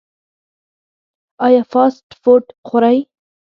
ایا فاسټ فوډ خورئ؟